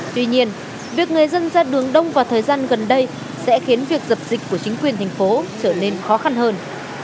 tuy nhiên việc người dân ra đường đông vào thời gian gần đây sẽ khiến việc dập dịch của chính quyền thành phố trở nên khó khăn hơn